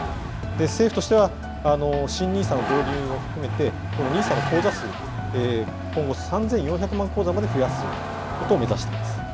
政府としては、新ＮＩＳＡの導入を含めて、このＮＩＳＡの口座数、今後、３４００万口座まで増やすことを目指しています。